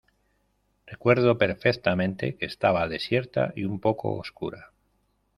recuerdo perfectamente que estaba desierta y un poco oscura.